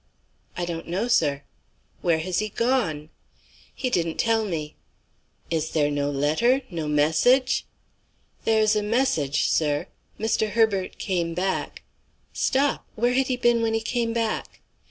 "I don't know, sir." "Where has he gone?" "He didn't tell me." "Is there no letter? No message?" "There's a message, sir. Mr. Herbert came back " "Stop! Where had he been when he came back?"